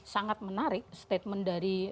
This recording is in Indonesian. sangat menarik statement dari